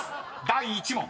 第１問］